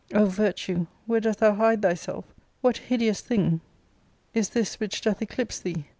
O virtue, where dost thou hide thyself? What hideous thing is this which doth eclipse thee